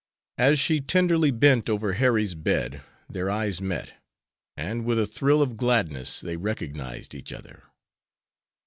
As she tenderly bent over Harry's bed their eyes met, and with a thrill of gladness they recognized each other.